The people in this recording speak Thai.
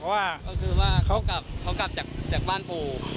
เพราะว่าเขากลับจากบ้านภู